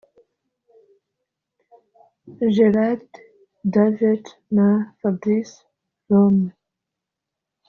Gérard Davet na Fabrice Lhomme